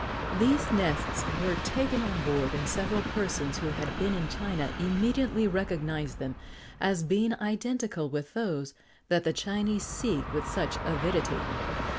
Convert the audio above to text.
These nests were taken on board, and several persons who had been in China immediately recognised them as being identical with those that the Chinese seek with such avidity.